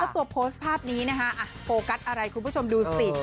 ตัวโพสต์ภาพนี้นะคะโฟกัสอะไรคุณผู้ชมดูสิ